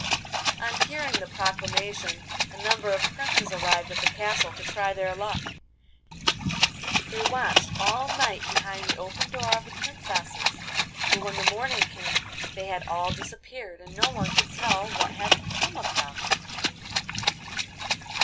On hearing the proclamation a number of princes arrived at the castle to try their luck. They watched all night behind the open door of the princesses, but when the morning came they had all disappeared, and no one could tell what had become of them.